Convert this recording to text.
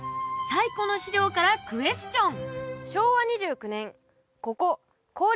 最古の資料からクエスチョン